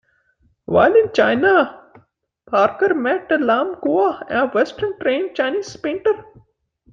While in China, Parker met Lam Qua, a Western-trained Chinese painter.